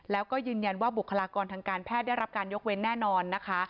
แล้วก็ยืนยันว่าบุคลากรทางการแพทย์ได้รับการยกเว้นแน่นอนนะคะ